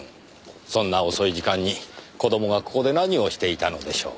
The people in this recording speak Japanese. そんな遅い時間に子供がここで何をしていたのでしょう？